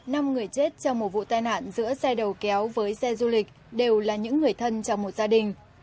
năm người chết trong một vụ tai nạn giữa xe đầu kéo với xe du lịch đều là những người thân trong một gia đình